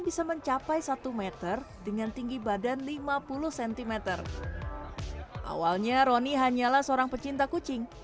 bisa mencapai satu meter dengan tinggi badan lima puluh cm awalnya roni hanyalah seorang pecinta kucing